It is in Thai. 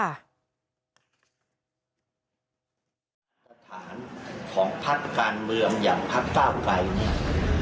สถานของพักการเมืองอย่างพักก้าวไกรเนี่ย